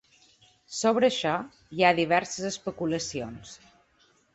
Sobre això, hi ha diverses especulacions.